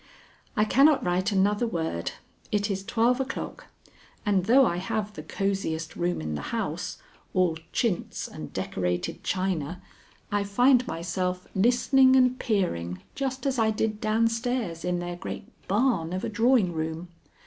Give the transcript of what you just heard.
I cannot write another word. It is twelve o'clock, and though I have the cosiest room in the house, all chintz and decorated china, I find myself listening and peering just as I did down stairs in their great barn of a drawing room.